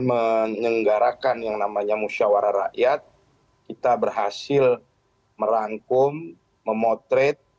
menyelenggarakan yang namanya musyawarah rakyat kita berhasil merangkum memotret